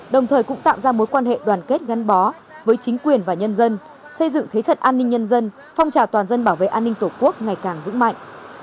đồng thời cũng tạo ra mối quan hệ đoàn kết gắn bó với chính quyền và nhân dân xây dựng thế trận an ninh nhân dân phong trào toàn dân bảo vệ an ninh tổ quốc ngày càng vững mạnh